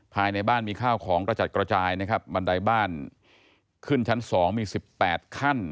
ภายในบ้านมีข้าวของกระจัดกระจายนะครับบันไดบ้านขึ้นชั้น๒มี๑๘ขั้น